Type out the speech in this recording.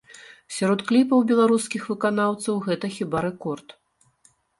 Сярод кліпаў беларускіх выканаўцаў гэта хіба рэкорд.